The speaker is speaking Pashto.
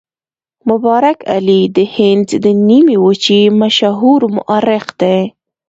مبارک علي د هند د نیمې وچې مشهور مورخ دی.